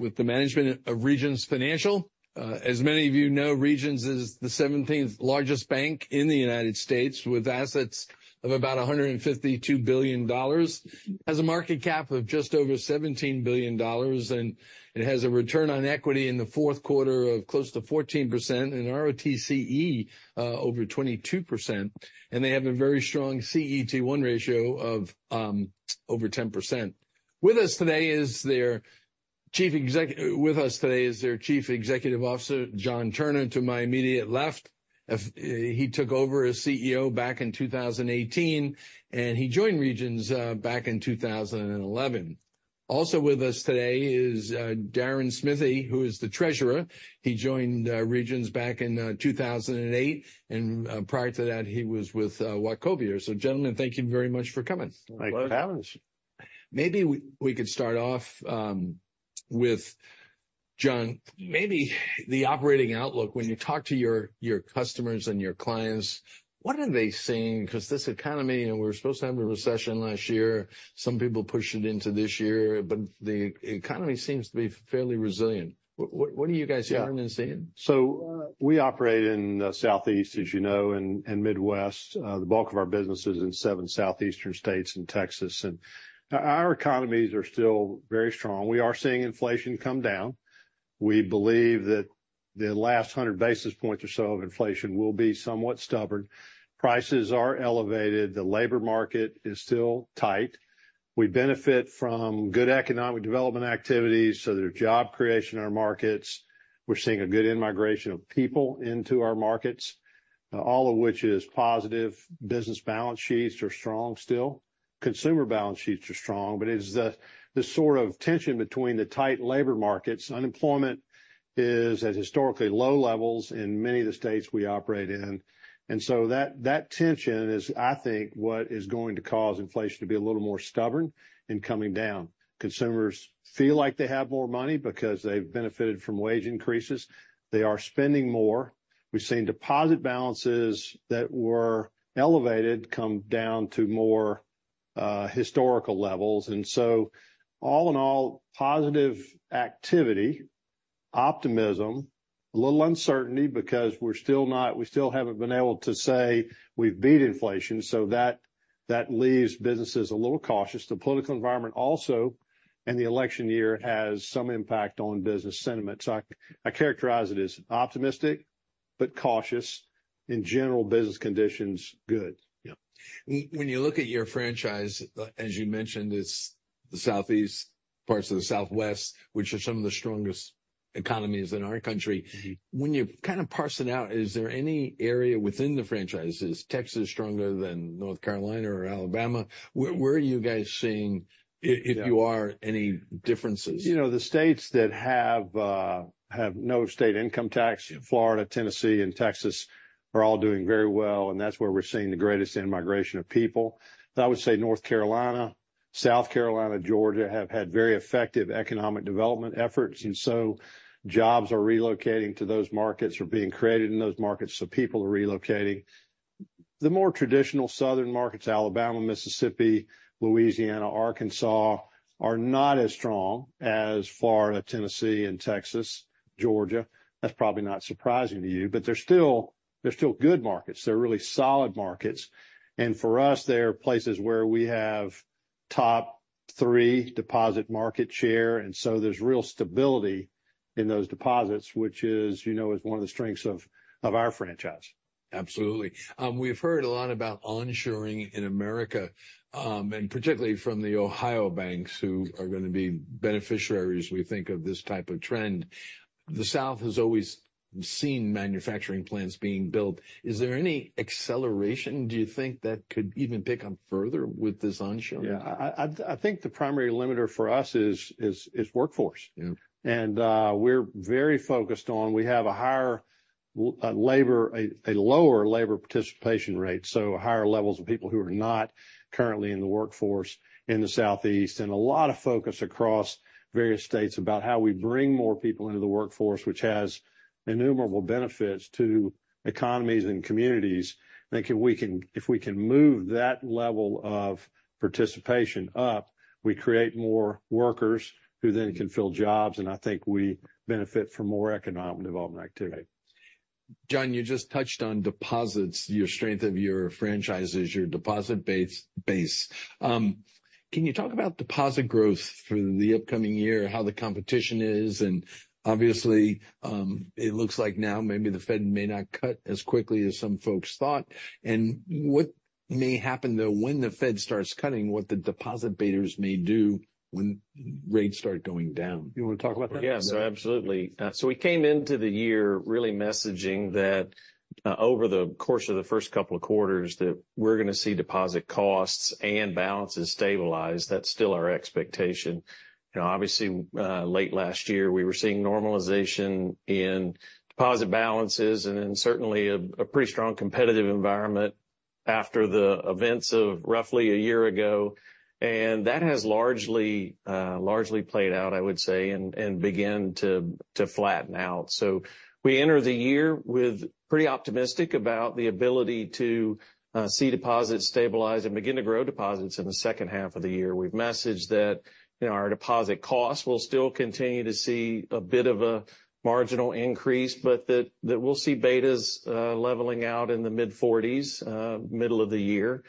With the management of Regions Financial, as many of you know, Regions is the 17th largest bank in the United States with assets of about $152 billion. It has a market cap of just over $17 billion, and it has a return on equity in the 4th quarter of close to 14%, an ROTCE over 22%. And they have a very strong CET1 ratio of over 10%. With us today is their chief exec with us today is their chief executive officer, John Turner, to my immediate left. He took over as CEO back in 2018, and he joined Regions back in 2011. Also with us today is Deron Smithy, who is the Treasurer. He joined Regions back in 2008, and prior to that, he was with Wachovia. So, gentlemen, thank you very much for coming. Likewise. What happens? Maybe we could start off with John, maybe the operating outlook. When you talk to your customers and clients, what are they seeing? 'Cause this economy—you know, we were supposed to have a recession last year. Some people pushed it into this year, but the economy seems to be fairly resilient. What are you guys hearing and seeing? Yeah. So, we operate in the Southeast, as you know, and the Midwest. The bulk of our business is in seven southeastern states and Texas. And our economies are still very strong. We are seeing inflation come down. We believe that the last 100 basis points or so of inflation will be somewhat stubborn. Prices are elevated. The labor market is still tight. We benefit from good economic development activities, so there's job creation in our markets. We're seeing a good immigration of people into our markets, all of which is positive. Business balance sheets are strong still. Consumer balance sheets are strong, but it's the sort of tension between the tight labor markets. Unemployment is at historically low levels in many of the states we operate in. And so that, that tension is, I think, what is going to cause inflation to be a little more stubborn and coming down. Consumers feel like they have more money because they've benefited from wage increases. They are spending more. We've seen deposit balances that were elevated come down to more historical levels. And so all in all, positive activity, optimism, a little uncertainty because we're still not, we still haven't been able to say we've beat inflation. So that, that leaves businesses a little cautious. The political environment also, and the election year, has some impact on business sentiment. So I, I characterize it as optimistic but cautious. In general, business conditions good. Yeah. When you look at your franchise, as you mentioned, it's the Southeast, parts of the Southwest, which are some of the strongest economies in our country. When you kind of parse it out, is there any area within the franchise, is Texas stronger than North Carolina or Alabama? Where are you guys seeing, if you are, any differences? You know, the states that have no state income tax (Florida, Tennessee, and Texas) are all doing very well, and that's where we're seeing the greatest immigration of people. I would say North Carolina, South Carolina, Georgia have had very effective economic development efforts, and so jobs are relocating to those markets or being created in those markets, so people are relocating. The more traditional southern markets (Alabama, Mississippi, Louisiana, Arkansas) are not as strong as Florida, Tennessee, and Texas, Georgia. That's probably not surprising to you, but they're still good markets. They're really solid markets. And for us, they're places where we have top three deposit market share, and so there's real stability in those deposits, which is, you know, one of the strengths of our franchise. Absolutely. We've heard a lot about onshoring in America, and particularly from the Ohio banks who are gonna be beneficiaries, we think, of this type of trend. The South has always seen manufacturing plants being built. Is there any acceleration do you think that could even pick up further with this onshoring? Yeah. I think the primary limiter for us is workforce. Yeah. We're very focused on. We have a lower labor participation rate, so higher levels of people who are not currently in the workforce in the Southeast, and a lot of focus across various states about how we bring more people into the workforce, which has innumerable benefits to economies and communities. I think if we can move that level of participation up, we create more workers who then can fill jobs, and I think we benefit from more economic development activity. Right. John, you just touched on deposits, the strength of your franchise is your deposit base. Can you talk about deposit growth for the upcoming year, how the competition is? And obviously, it looks like now maybe the Fed may not cut as quickly as some folks thought. And what may happen, though, when the Fed starts cutting, what the deposit betas may do when rates start going down? You wanna talk about that? Yeah. So absolutely. So we came into the year really messaging that, over the course of the first couple of quarters, that we're gonna see deposit costs and balances stabilize. That's still our expectation. You know, obviously, late last year, we were seeing normalization in deposit balances and then certainly a pretty strong competitive environment after the events of roughly a year ago. And that has largely played out, I would say, and began to flatten out. So we enter the year pretty optimistic about the ability to see deposits stabilize and begin to grow deposits in the second half of the year. We've messaged that, you know, our deposit costs will still continue to see a bit of a marginal increase, but that we'll see betas leveling out in the mid-40s, middle of the year.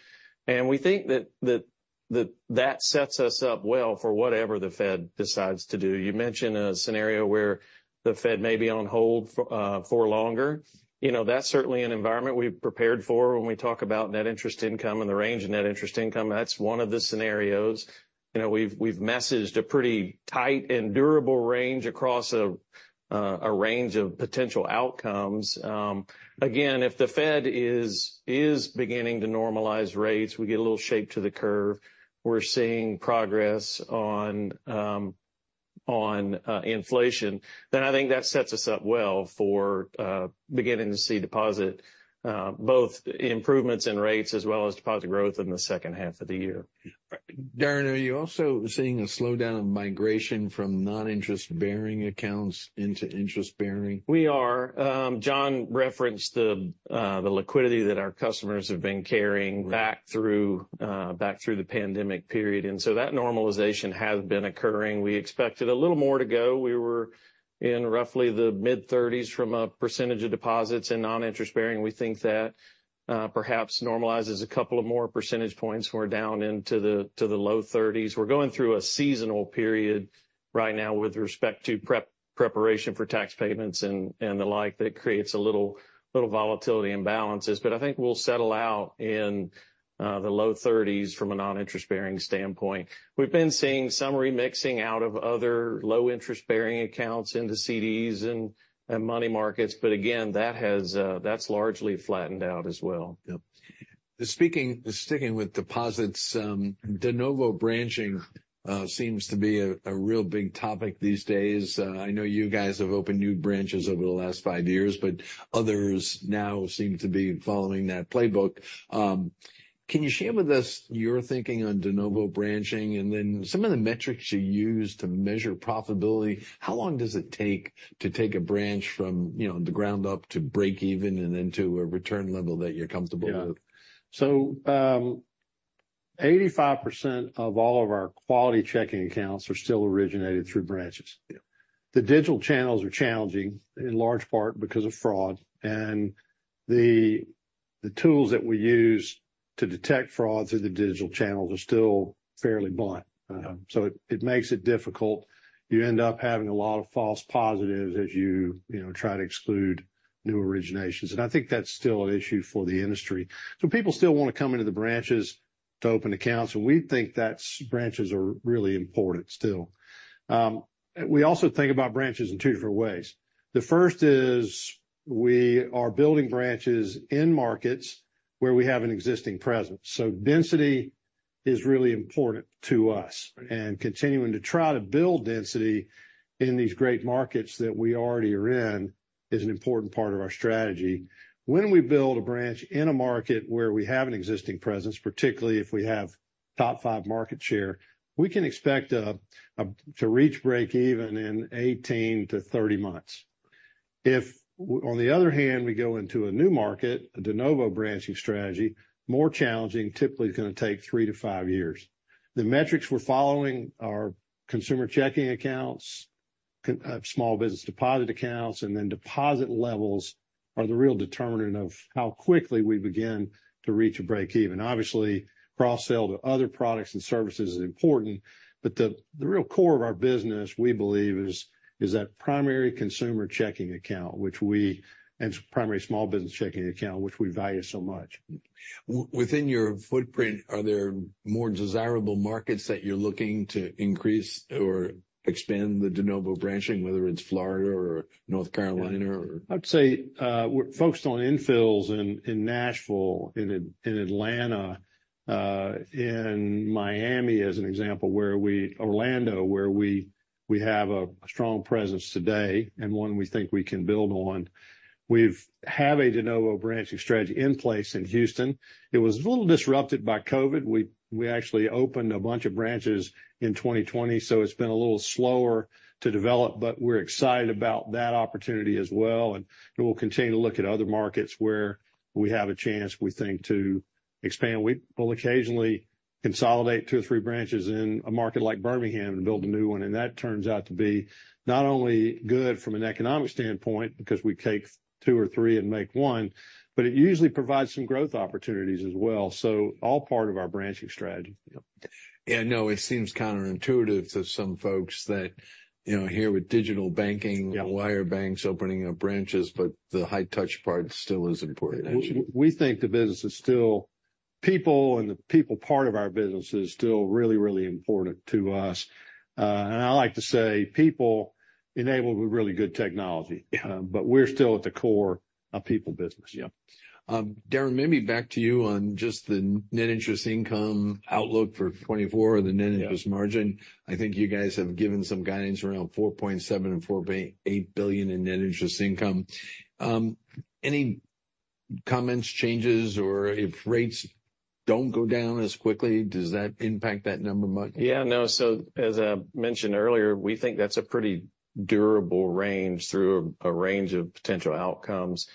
We think that sets us up well for whatever the Fed decides to do. You mentioned a scenario where the Fed may be on hold for longer. You know, that's certainly an environment we've prepared for when we talk about net interest income and the range of net interest income. That's one of the scenarios. You know, we've messaged a pretty tight and durable range across a range of potential outcomes. Again, if the Fed is beginning to normalize rates, we get a little shape to the curve, we're seeing progress on inflation, then I think that sets us up well for beginning to see deposit both improvements in rates as well as deposit growth in the second half of the year. Right. Deron, are you also seeing a slowdown of migration from non-interest-bearing accounts into interest-bearing? We are. John referenced the liquidity that our customers have been carrying back through the pandemic period. And so that normalization has been occurring. We expected a little more to go. We were in roughly the mid-30s% of deposits in non-interest-bearing. We think that perhaps normalizes a couple of more percentage points. We're down into the low 30s%. We're going through a seasonal period right now with respect to preparation for tax payments and the like that creates a little volatility in balances. But I think we'll settle out in the low 30s% from a non-interest-bearing standpoint. We've been seeing some remixing out of other low-interest-bearing accounts into CDs and money markets. But again, that has largely flattened out as well. Yep. Speaking of sticking with deposits, de novo branching seems to be a real big topic these days. I know you guys have opened new branches over the last five years, but others now seem to be following that playbook. Can you share with us your thinking on de novo branching and then some of the metrics you use to measure profitability? How long does it take to take a branch from, you know, the ground up to break even and then to a return level that you're comfortable with? Yeah. So, 85% of all of our checking accounts are still originated through branches. Yeah. The digital channels are challenging in large part because of fraud, and the tools that we use to detect fraud through the digital channels are still fairly blunt. So it makes it difficult. You end up having a lot of false positives as you know, try to exclude new originations. I think that's still an issue for the industry. People still wanna come into the branches to open accounts, and we think that branches are really important still. We also think about branches in two different ways. The first is we are building branches in markets where we have an existing presence. So density is really important to us, and continuing to try to build density in these great markets that we already are in is an important part of our strategy. When we build a branch in a market where we have an existing presence, particularly if we have top 5 market share, we can expect to reach break even in 18-30 months. If, on the other hand, we go into a new market, a de novo branching strategy, more challenging, typically gonna take 3-5 years. The metrics we're following are consumer checking accounts, and small business deposit accounts, and then deposit levels are the real determinant of how quickly we begin to reach a break even. Obviously, cross-sell to other products and services is important, but the real core of our business, we believe, is that primary consumer checking account, which we and primary small business checking account, which we value so much. Within your footprint, are there more desirable markets that you're looking to increase or expand the de novo branching, whether it's Florida or North Carolina or? I would say, we're focused on infills in Nashville, in Atlanta, in Miami, as an example, in Orlando, where we have a strong presence today and one we think we can build on. We have a de novo branching strategy in place in Houston. It was a little disrupted by COVID. We actually opened a bunch of branches in 2020, so it's been a little slower to develop, but we're excited about that opportunity as well. And, you know, we'll continue to look at other markets where we have a chance, we think, to expand. We'll occasionally consolidate two or three branches in a market like Birmingham and build a new one. And that turns out to be not only good from an economic standpoint because we take two or three and make one, but it usually provides some growth opportunities as well. So all part of our branching strategy. Yeah. Yeah. No, it seems counterintuitive to some folks that, you know, here with digital banking. Yeah. Wire banks opening up branches, but the high-touch part still is important, I think. We think the business is still people, and the people part of our business is still really, really important to us. And I like to say people enabled with really good technology. Yeah. We're still at the core of people business. Yeah. Deron, maybe back to you on just the net interest income outlook for 2024 or the net interest margin. Yeah. I think you guys have given some guidance around $4.7 billion-$4.8 billion in net interest income. Any comments, changes, or if rates don't go down as quickly, does that impact that number much? Yeah. No. So as I mentioned earlier, we think that's a pretty durable range through a range of potential outcomes.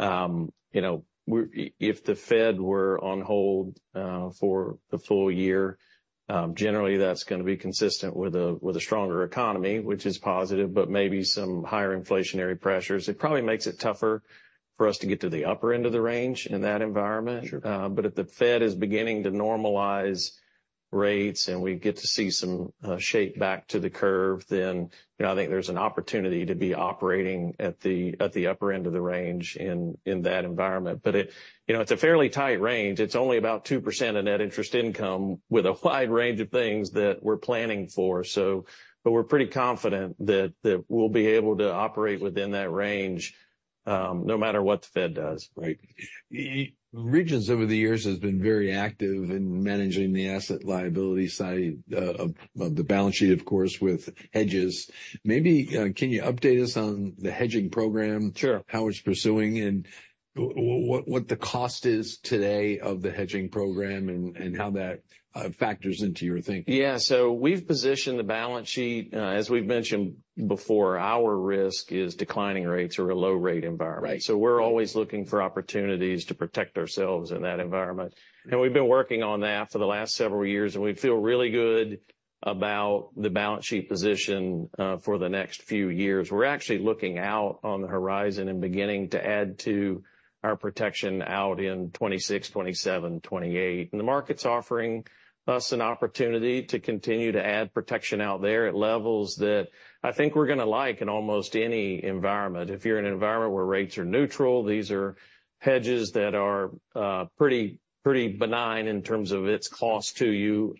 You know, we're if the Fed were on hold for the full year, generally, that's gonna be consistent with a stronger economy, which is positive, but maybe some higher inflationary pressures. It probably makes it tougher for us to get to the upper end of the range in that environment. Sure. But if the Fed is beginning to normalize rates and we get to see some shape back to the curve, then, you know, I think there's an opportunity to be operating at the upper end of the range in that environment. But, you know, it's a fairly tight range. It's only about 2% of net interest income with a wide range of things that we're planning for, but we're pretty confident that we'll be able to operate within that range, no matter what the Fed does. Right. Regions over the years has been very active in managing the asset liability side, of, of the balance sheet, of course, with hedges. Maybe, can you update us on the hedging program? Sure. How it's pursuing and what the cost is today of the hedging program and how that factors into your thinking? Yeah. So we've positioned the balance sheet, as we've mentioned before, our risk is declining rates or a low-rate environment. Right. So we're always looking for opportunities to protect ourselves in that environment. We've been working on that for the last several years, and we feel really good about the balance sheet position for the next few years. We're actually looking out on the horizon and beginning to add to our protection out in 2026, 2027, 2028. The market's offering us an opportunity to continue to add protection out there at levels that I think we're gonna like in almost any environment. If you're in an environment where rates are neutral, these are hedges that are pretty, pretty benign in terms of its cost to you.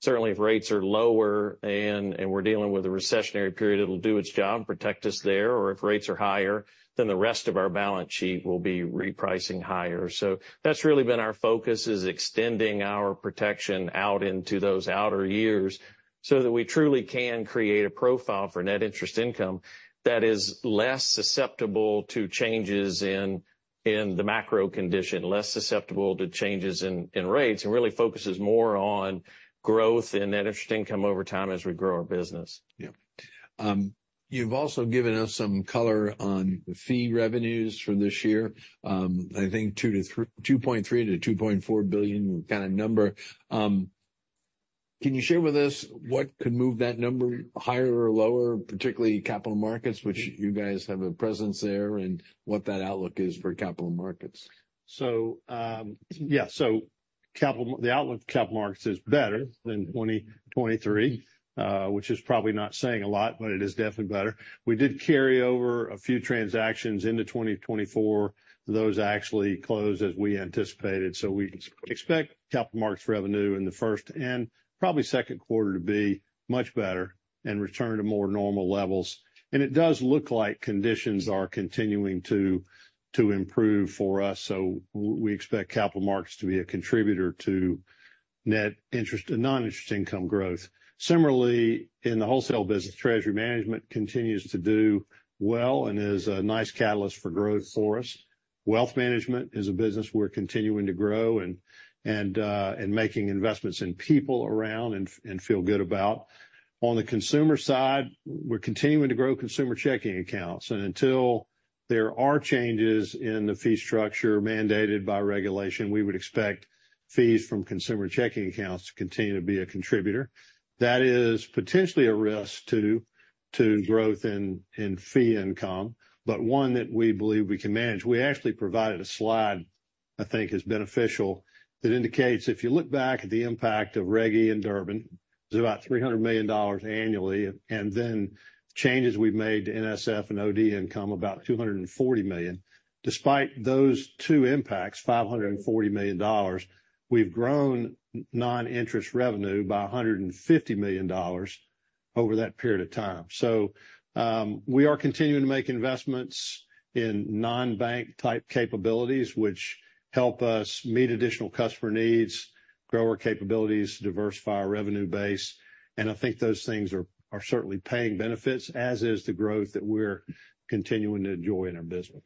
Certainly, if rates are lower and we're dealing with a recessionary period, it'll do its job and protect us there. Or if rates are higher, then the rest of our balance sheet will be repricing higher. So that's really been our focus, is extending our protection out into those outer years so that we truly can create a profile for net interest income that is less susceptible to changes in the macro condition, less susceptible to changes in rates, and really focuses more on growth in net interest income over time as we grow our business. Yeah. You've also given us some color on the fee revenues for this year. I think $2.3-$2.4 billion kinda number. Can you share with us what could move that number higher or lower, particularly capital markets, which you guys have a presence there, and what that outlook is for capital markets? So, yeah. The outlook for capital markets is better than 2023, which is probably not saying a lot, but it is definitely better. We did carry over a few transactions into 2024. Those actually closed as we anticipated. So we expect capital markets revenue in the first and probably Q2 to be much better and return to more normal levels. And it does look like conditions are continuing to improve for us. So we expect capital markets to be a contributor to net interest non-interest income growth. Similarly, in the wholesale business, treasury management continues to do well and is a nice catalyst for growth for us. Wealth management is a business we're continuing to grow and making investments in people and feel good about. On the consumer side, we're continuing to grow consumer checking accounts. Until there are changes in the fee structure mandated by regulation, we would expect fees from consumer checking accounts to continue to be a contributor. That is potentially a risk to, to growth in, in fee income, but one that we believe we can manage. We actually provided a slide, I think, is beneficial that indicates if you look back at the impact of Reg E and Durbin, it was about $300 million annually, and then changes we've made to NSF and OD income, about $240 million. Despite those two impacts, $540 million, we've grown non-interest revenue by $150 million over that period of time. So, we are continuing to make investments in non-bank-type capabilities, which help us meet additional customer needs, grow our capabilities, diversify our revenue base. I think those things are certainly paying benefits, as is the growth that we're continuing to enjoy in our business.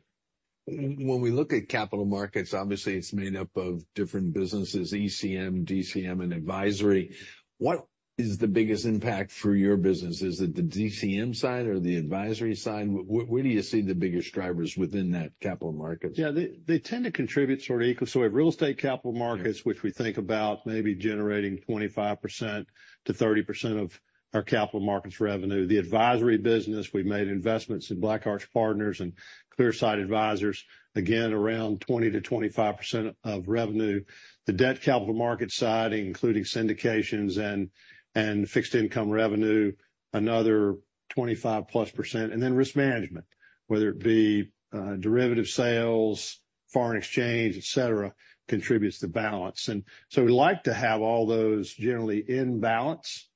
When we look at capital markets, obviously, it's made up of different businesses, ECM, DCM, and advisory. What is the biggest impact for your business? Is it the DCM side or the advisory side? Where do you see the biggest drivers within that capital markets? Yeah. They tend to contribute sort of equal. So we have real estate capital markets, which we think about maybe generating 25%-30% of our capital markets revenue. The advisory business, we've made investments in BlackArch Partners and Clearsight Advisors, again, around 20%-25% of revenue. The debt capital market side, including syndications and fixed income revenue, another 25%+ percent. And then risk management, whether it be derivative sales, foreign exchange, etc., contributes to balance. And so we like to have all those generally in balance.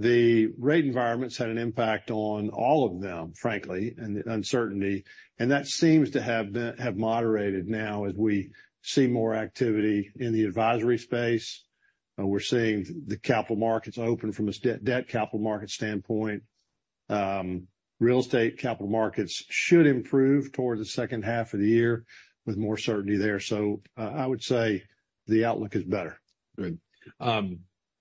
The rate environments had an impact on all of them, frankly, and the uncertainty. And that seems to have moderated now as we see more activity in the advisory space. We're seeing the capital markets open from a debt capital market standpoint. Real estate capital markets should improve toward the second half of the year with more certainty there. So, I would say the outlook is better. Good.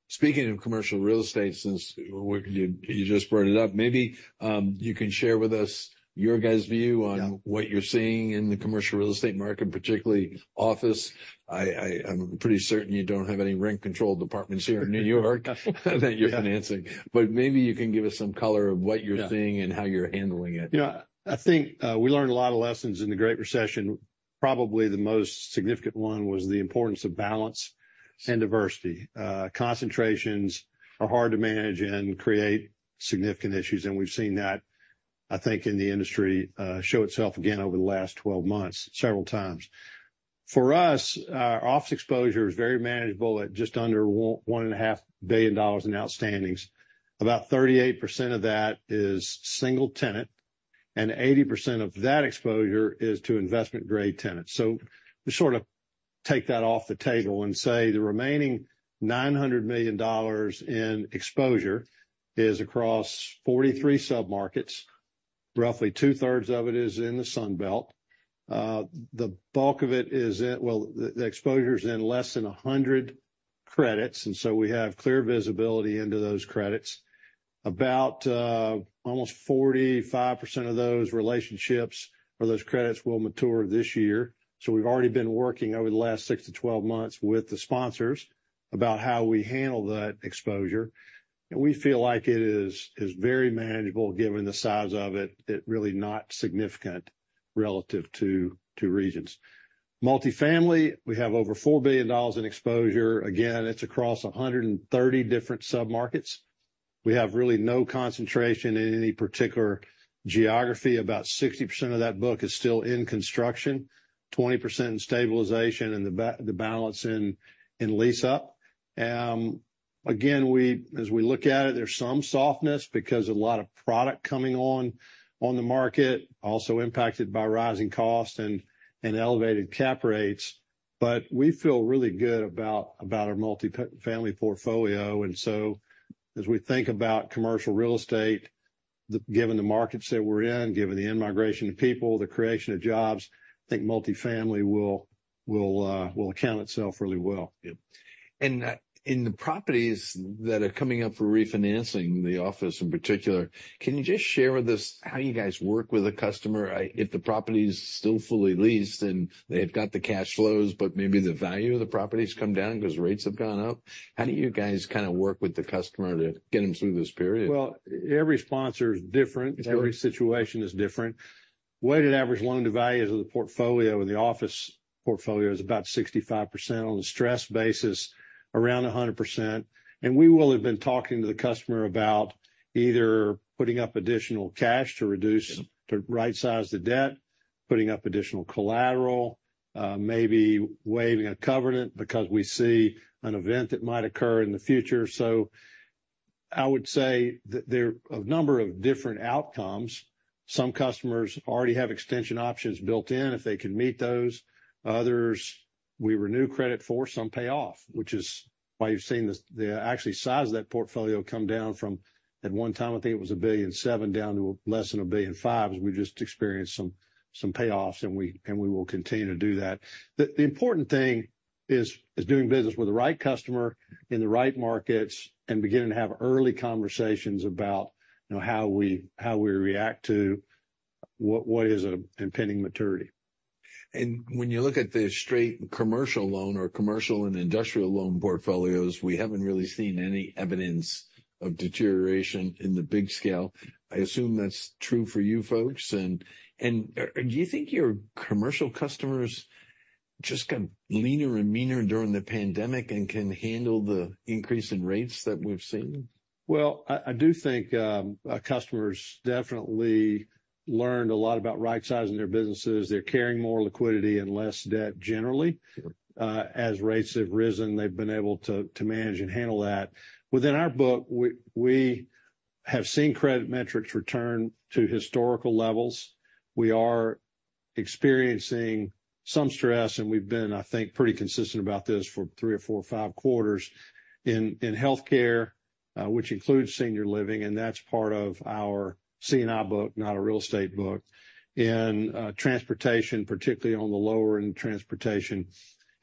Speaking of commercial real estate, since where you just brought it up, maybe you can share with us your guys' view on. Yeah. What you're seeing in the commercial real estate market, particularly office. I am pretty certain you don't have any rent-controlled departments here in New York. No. That you're financing. But maybe you can give us some color of what you're seeing. Yeah. How you're handling it. Yeah. I think we learned a lot of lessons in the Great Recession. Probably the most significant one was the importance of balance. Sure. And diversity concentrations are hard to manage and create significant issues, and we've seen that, I think, in the industry, show itself again over the last 12 months, several times. For us, office exposure is very manageable at just under $1.5 billion in outstandings. About 38% of that is single tenant, and 80% of that exposure is to investment-grade tenants. So we sort of take that off the table and say the remaining $900 million in exposure is across 43 submarkets. Roughly two-thirds of it is in the Sunbelt. The bulk of it is in the exposure's in less than 100 credits, and so we have clear visibility into those credits. About, almost 45% of those relationships or those credits will mature this year. So we've already been working over the last 6 to 12 months with the sponsors about how we handle that exposure. We feel like it is very manageable given the size of it. It's really not significant relative to Regions. Multifamily, we have over $4 billion in exposure. Again, it's across 130 different submarkets. We have really no concentration in any particular geography. About 60% of that book is still in construction, 20% in stabilization, and the balance in lease-up. Again, as we look at it, there's some softness because of a lot of product coming on the market, also impacted by rising costs and elevated cap rates. But we feel really good about our multifamily portfolio. So as we think about commercial real estate, given the markets that we're in, given the immigration of people, the creation of jobs, I think multifamily will account itself really well. Yeah. And, in the properties that are coming up for refinancing, the office in particular, can you just share with us how you guys work with a customer? If the property's still fully leased and they have got the cash flows, but maybe the value of the properties come down 'cause rates have gone up, how do you guys kinda work with the customer to get them through this period? Well, every sponsor's different. Yeah. Every situation is different. Weighted average loan to value of the portfolio in the office portfolio is about 65%. On the stress basis, around 100%. We will have been talking to the customer about either putting up additional cash to reduce. Yeah. To right-size the debt, putting up additional collateral, maybe waiving a covenant because we see an event that might occur in the future. So I would say that there are a number of different outcomes. Some customers already have extension options built in if they can meet those. Others, we renew credit for. Some pay off, which is why you've seen the, actually, size of that portfolio come down from at one time, I think it was $1.7 billion, down to less than $1.5 billion. As we've just experienced some payoffs, and we will continue to do that. The important thing is doing business with the right customer in the right markets and beginning to have early conversations about, you know, how we react to what is an impending maturity. When you look at the straight commercial loan or commercial and industrial loan portfolios, we haven't really seen any evidence of deterioration in the big scale. I assume that's true for you folks. Do you think your commercial customers just got leaner and meaner during the pandemic and can handle the increase in rates that we've seen? Well, I do think customers definitely learned a lot about right-sizing their businesses. They're carrying more liquidity and less debt generally. Sure. As rates have risen, they've been able to manage and handle that. Within our book, we have seen credit metrics return to historical levels. We are experiencing some stress, and we've been, I think, pretty consistent about this for 3 or 4 or 5 quarters in healthcare, which includes senior living. That's part of our C&I book, not a real estate book, in transportation, particularly on the lower-end transportation.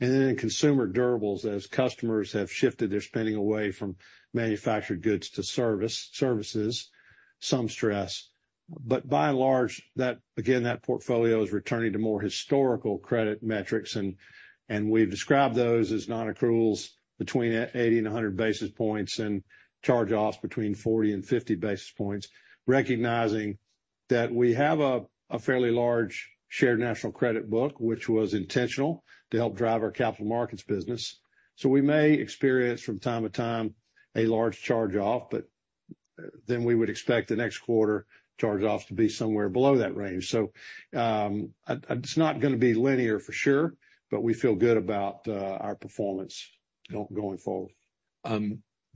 Then in consumer durables, as customers have shifted their spending away from manufactured goods to services, some stress. But by and large, that again, that portfolio is returning to more historical credit metrics. And we've described those as non-accruals between 80 and 100 basis points and charge-offs between 40 and 50 basis points, recognizing that we have a fairly large Shared National Credit book, which was intentional to help drive our capital markets business. So we may experience from time to time a large charge-off, but then we would expect the next quarter charge-offs to be somewhere below that range. So, it's not gonna be linear for sure, but we feel good about our performance going forward.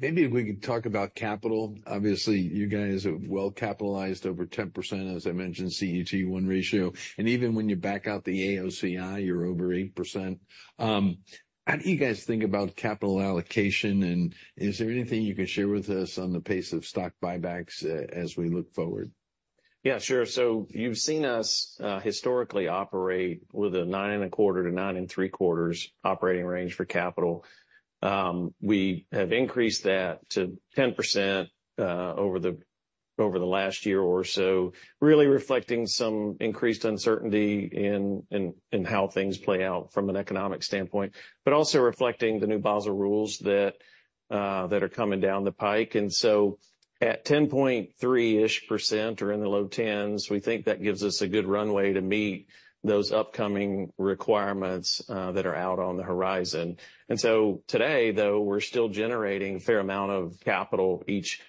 Maybe if we could talk about capital. Obviously, you guys are well-capitalized, over 10%, as I mentioned, CET1 ratio. And even when you back out the AOCI, you're over 8%. How do you guys think about capital allocation, and is there anything you can share with us on the pace of stock buybacks, as we look forward? Yeah. Sure. So you've seen us, historically operate with a 9.25%-9.75% operating range for capital. We have increased that to 10%, over the last year or so, really reflecting some increased uncertainty in how things play out from an economic standpoint, but also reflecting the new Basel rules that are coming down the pike. And so at 10.3%-ish% or in the low 10s, we think that gives us a good runway to meet those upcoming requirements that are out on the horizon. And so today, though, we're still generating a fair amount of capital each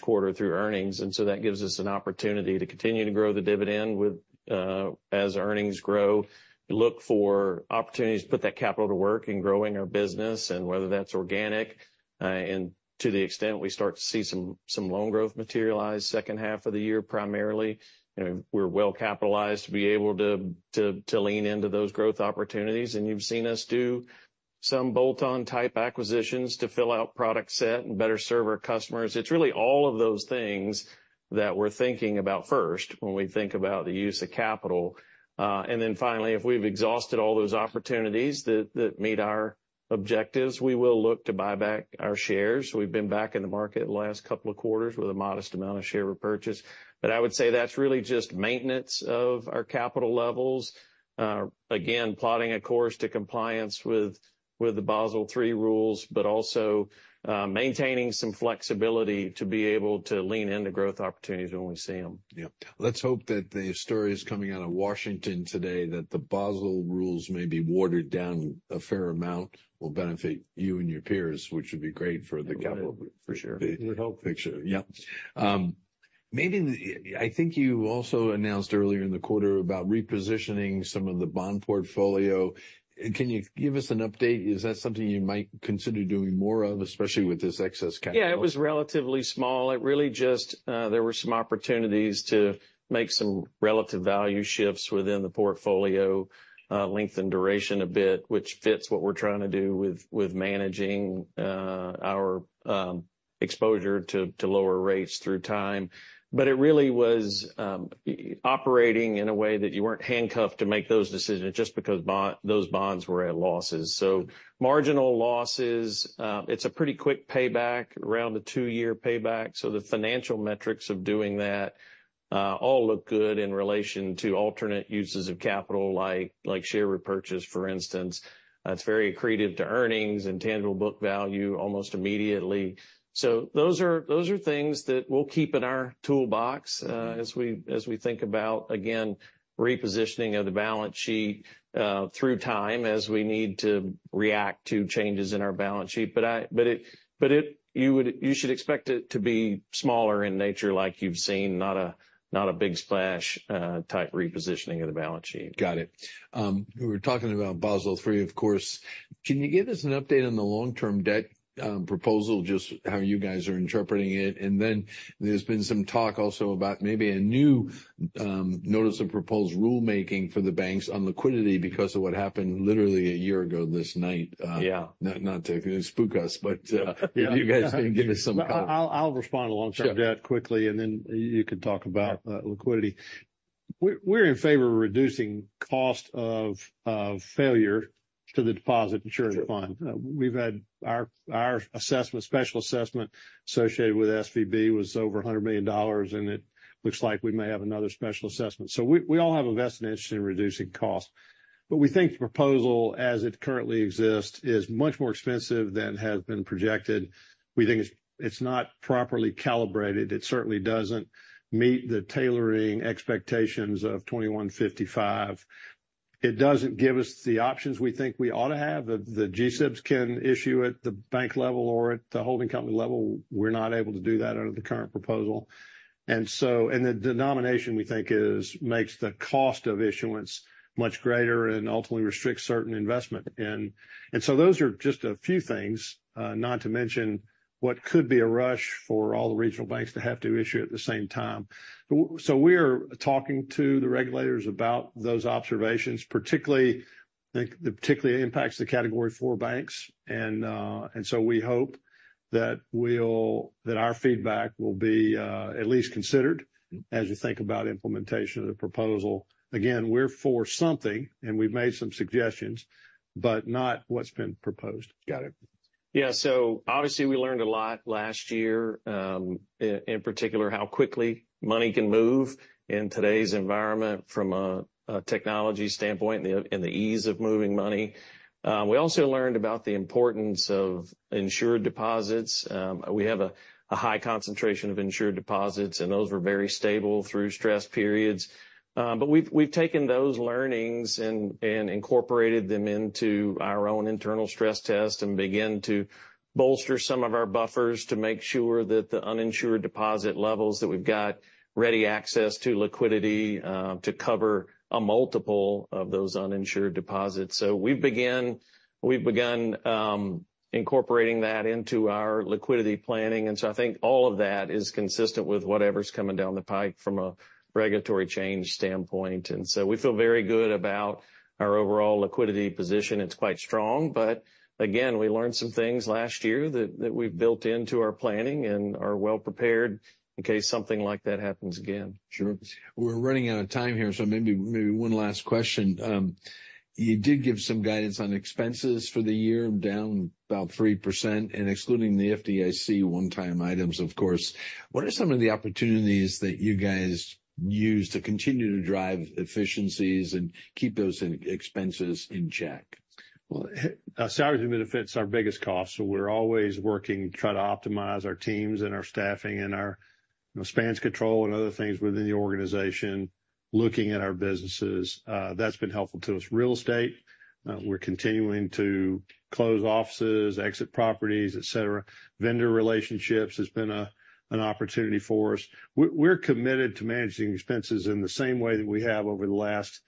quarter through earnings. So that gives us an opportunity to continue to grow the dividend with, as earnings grow, look for opportunities to put that capital to work in growing our business, and whether that's organic, and to the extent we start to see some, some loan growth materialize second half of the year primarily. You know, we're well-capitalized to be able to, to, to lean into those growth opportunities. And you've seen us do some bolt-on-type acquisitions to fill out product set and better serve our customers. It's really all of those things that we're thinking about first when we think about the use of capital. And then finally, if we've exhausted all those opportunities that, that meet our objectives, we will look to buy back our shares. We've been back in the market the last couple of quarters with a modest amount of share repurchase. But I would say that's really just maintenance of our capital levels, again, plotting a course to compliance with the Basel III rules, but also, maintaining some flexibility to be able to lean into growth opportunities when we see them. Yeah. Let's hope that the stories coming out of Washington today, that the Basel rules may be watered down a fair amount, will benefit you and your peers, which would be great for the capital. Yeah. For sure. The whole picture. Yeah. Maybe, I think, you also announced earlier in the quarter about repositioning some of the bond portfolio. Can you give us an update? Is that something you might consider doing more of, especially with this excess capital? Yeah. It was relatively small. It really just, there were some opportunities to make some relative value shifts within the portfolio, length and duration a bit, which fits what we're trying to do with, with managing, our, exposure to, to lower rates through time. But it really was, operating in a way that you weren't handcuffed to make those decisions just because bond those bonds were at losses. So marginal losses, it's a pretty quick payback, around a two-year payback. So the financial metrics of doing that, all look good in relation to alternate uses of capital, like, like share repurchase, for instance. It's very accretive to earnings and tangible book value almost immediately. So those are things that we'll keep in our toolbox, as we think about, again, repositioning of the balance sheet, through time as we need to react to changes in our balance sheet. But you should expect it to be smaller in nature, like you've seen, not a big splash, type repositioning of the balance sheet. Got it. We were talking about Basel III, of course. Can you give us an update on the long-term debt proposal, just how you guys are interpreting it? And then there's been some talk also about maybe a new notice of proposed rulemaking for the banks on liquidity because of what happened literally a year ago this night. Yeah. Not, not to spook us, but, have you guys been giving us some color? I'll respond to long-term debt. Yeah. Quickly, and then you can talk about. Yeah. Liquidity. We're in favor of reducing cost of failure to the deposit insurance fund. Yeah. We've had our assessment, special assessment associated with SVB, was over $100 million, and it looks like we may have another special assessment. So we all have a vested interest in reducing cost. But we think the proposal, as it currently exists, is much more expensive than has been projected. We think it's not properly calibrated. It certainly doesn't meet the tailoring expectations of 2155. It doesn't give us the options we think we ought to have. The GSIBs can issue it at the bank level or at the holding company level. We're not able to do that under the current proposal. And so the denomination, we think, is makes the cost of issuance much greater and ultimately restricts certain investment. And so those are just a few things, not to mention what could be a rush for all the regional banks to have to issue at the same time. Well, so we are talking to the regulators about those observations, particularly. I think it particularly impacts the Category IV banks. And so we hope that our feedback will be, at least, considered. As we think about implementation of the proposal. Again, we're for something, and we've made some suggestions, but not what's been proposed. Got it. Yeah. So obviously, we learned a lot last year, in particular how quickly money can move in today's environment from a technology standpoint and the ease of moving money. We also learned about the importance of insured deposits. We have a high concentration of insured deposits, and those were very stable through stress periods. But we've taken those learnings and incorporated them into our own internal stress test and begin to bolster some of our buffers to make sure that the uninsured deposit levels that we've got ready access to liquidity, to cover a multiple of those uninsured deposits. So we've begun incorporating that into our liquidity planning. And so I think all of that is consistent with whatever's coming down the pike from a regulatory change standpoint. And so we feel very good about our overall liquidity position. It's quite strong. But again, we learned some things last year that we've built into our planning and are well-prepared in case something like that happens again. Sure. We're running out of time here, so maybe, maybe one last question. You did give some guidance on expenses for the year down about 3% and excluding the FDIC one-time items, of course. What are some of the opportunities that you guys use to continue to drive efficiencies and keep those expenses in check? Well, salaries and benefits are our biggest cost. So we're always working to try to optimize our teams and our staffing and our, you know, span of control and other things within the organization, looking at our businesses. That's been helpful to us. Real estate, we're continuing to close offices, exit properties, etc. Vendor relationships has been a, an opportunity for us. We're, we're committed to managing expenses in the same way that we have over the last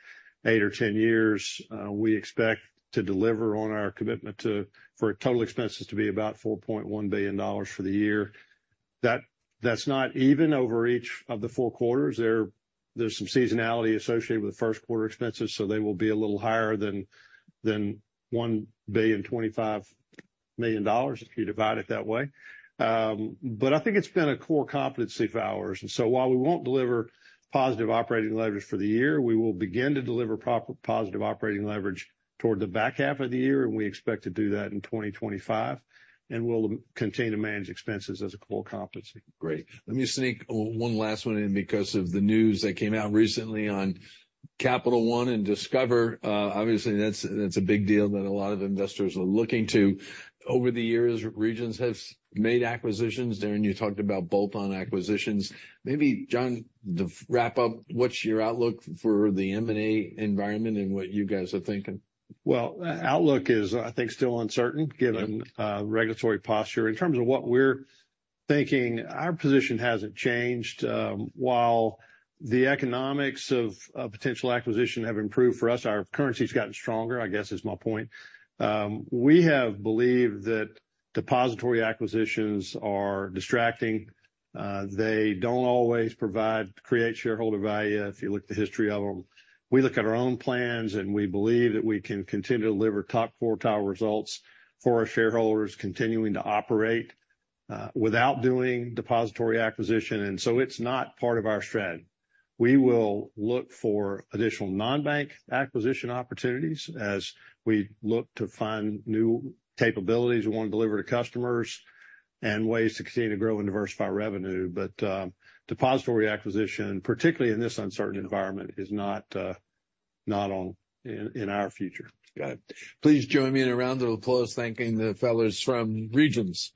eight or 10 years. We expect to deliver on our commitment to for total expenses to be about $4.1 billion for the year. That, that's not even over each of the four quarters. There are some seasonality associated with the Q1 expenses, so they will be a little higher than, than $1.25 billion if you divide it that way. But I think it's been a core competency for ours. While we won't deliver positive operating leverage for the year, we will begin to deliver proper positive operating leverage toward the back half of the year. We expect to do that in 2025 and will continue to manage expenses as a core competency. Great. Let me sneak one last one in because of the news that came out recently on Capital One and Discover. Obviously, that's, that's a big deal that a lot of investors are looking to. Over the years, Regions have made acquisitions. Deron, you talked about bolt-on acquisitions. Maybe, John, to wrap up. What's your outlook for the M&A environment and what you guys are thinking? Well, outlook is, I think, still uncertain given. Regulatory posture. In terms of what we're thinking, our position hasn't changed. While the economics of potential acquisition have improved for us, our currency's gotten stronger, I guess is my point. We have believed that depository acquisitions are distracting. They don't always provide create shareholder value if you look at the history of them. We look at our own plans, and we believe that we can continue to deliver top four-tier results for our shareholders, continuing to operate, without doing depository acquisition. And so it's not part of our strategy. We will look for additional non-bank acquisition opportunities as we look to find new capabilities we wanna deliver to customers and ways to continue to grow and diversify revenue. But depository acquisition, particularly in this uncertain environment, is not on in our future. Got it. Please join me in a round of applause thanking the fellows from Regions.